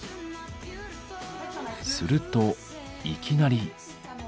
するといきなり。